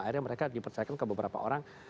akhirnya mereka dipercayakan ke beberapa orang